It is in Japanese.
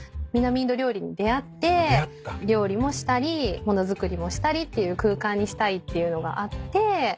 南インド料理に出合って料理もしたり物作りもしたりっていう空間にしたいっていうのがあって。